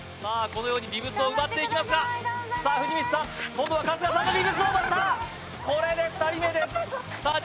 このようにビブスを奪っていきますがさあ藤光さん今度は春日さんのビブスを奪ったこれで２人目ですさあ